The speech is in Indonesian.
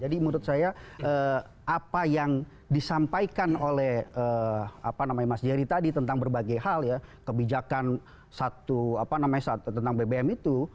jadi menurut saya apa yang disampaikan oleh mas jerry tadi tentang berbagai hal ya kebijakan satu apa namanya satu tentang bbm itu